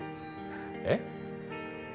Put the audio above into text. えっ？